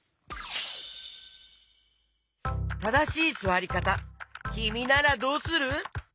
ただしいすわりかたきみならどうする？